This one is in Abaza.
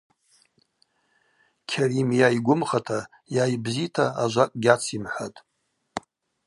Кьарим йа йгвымхата, йа йбзита ажвакӏ гьацйымхӏватӏ.